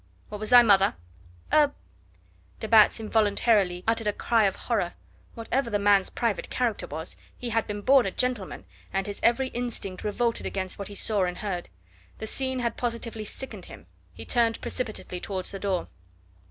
"What was thy mother?" "A " De Batz involuntarily uttered a cry of horror. Whatever the man's private character was, he had been born a gentleman, and his every instinct revolted against what he saw and heard. The scene had positively sickened him. He turned precipitately towards the door.